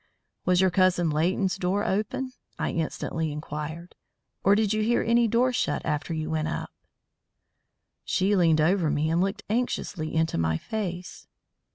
"Was your cousin Leighton's door open?" I instantly inquired. "Or did you hear any door shut after you went up?" She leaned over me and looked anxiously into my face.